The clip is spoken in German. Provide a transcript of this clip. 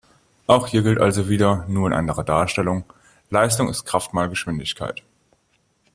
Auch hier gilt also wieder, nur in anderer Darstellung: "Leistung ist Kraft mal Geschwindigkeit".